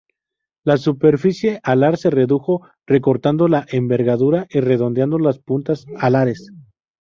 La superficie alar se redujo recortando la envergadura y redondeando las puntas alares.